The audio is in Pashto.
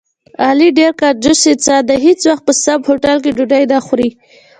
علي ډېر کنجوس انسان دی، هېڅ وخت په سم هوټل کې ډوډۍ نه خوري.